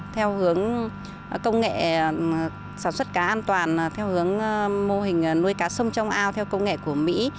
theo hướng công nghệ sản xuất cá an toàn theo hướng mô hình nuôi cá sông trong ao theo công nghệ của mỹ